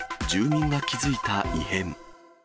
住民が気付いた異変。